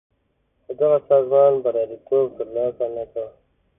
خو دغه سازمان بریالیتوب تر لاسه نه کړ.